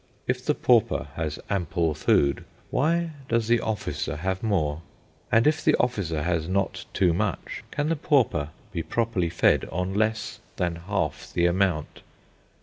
If the pauper has ample food, why does the officer have more? And if the officer has not too much, can the pauper be properly fed on less than half the amount?"